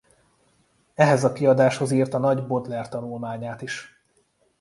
Ehhez a kiadáshoz írta nagy Baudelaire-tanulmányát is.